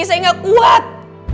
saya gak kuat